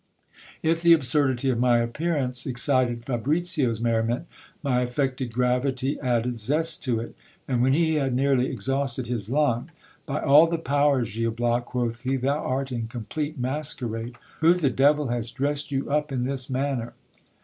If the absurdity of my appearance excited Fabricio's merriment, my affected gravity added zest to it ; and when he had nearly exhausted his lungs — By all the powers, Gil Bias, quoth he, thou art in complete masquerade. Who the devil has dressed you up in this manner